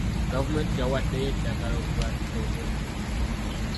Gavumenti yawaddeyo eddagala okulwanyisa omuddo.